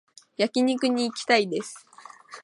焼肉に行きたいです